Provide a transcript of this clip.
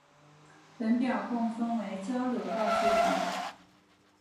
本表共分为交流道距离。